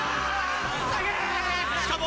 しかも。